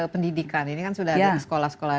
pendidikan ini kan sudah ada di sekolah sekolah